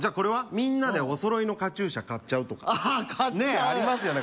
みんなでお揃いのカチューシャ買っちゃうとかあ買っちゃうねっありますよね